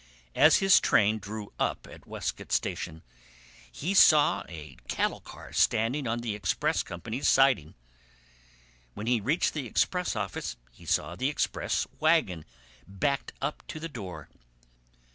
As his train drew up at Westcote station he saw a cattle car standing on the express company's siding. When he reached the express office he saw the express wagon backed up to the door.